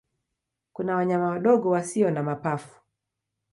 Kuna wanyama wadogo wasio na mapafu.